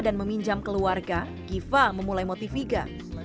dan meminjam keluarga giva memulai motiviga